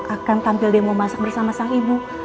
akan tampil demo masak bersama sang ibu